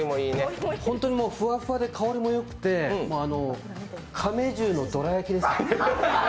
ホントにふわふわで香りもよくて亀十のどら焼きです。